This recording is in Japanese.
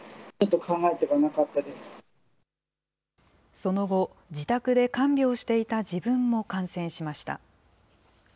その後、自宅で看病していた自分も感染しました。